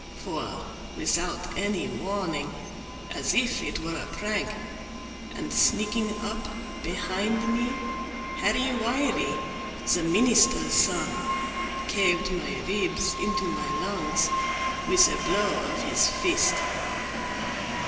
For, without any warning, as if it were a prank, And sneaking up behind me, Harry Wiley, The minister's son, caved my ribs into my lungs, With a blow of his fist.